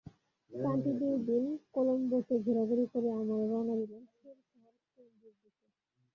ক্যান্ডিদুই দিন কলম্বোতে ঘোরাঘুরি করে আমরা রওনা দিলাম শৈল শহর ক্যান্ডির দিকে।